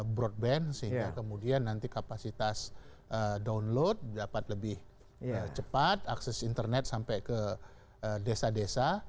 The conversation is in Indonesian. broadband sehingga kemudian nanti kapasitas download dapat lebih cepat akses internet sampai ke desa desa